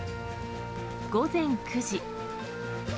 午前９時。